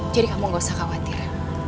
jadi kamu gak usah khawatir